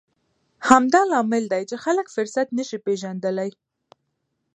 همدا لامل دی چې خلک فرصت نه شي پېژندلی.